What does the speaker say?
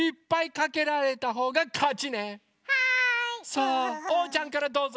さあおうちゃんからどうぞ！